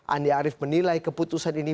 andi arief menilai keputusan ini